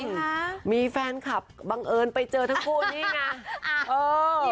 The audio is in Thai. ค่ะมีแฟนคลับบังเอิญไปเจอทั้งคู่นี่ไงเออ